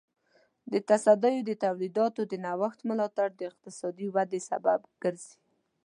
د تصدیو د تولیداتو د نوښت ملاتړ د اقتصادي ودې سبب ګرځي.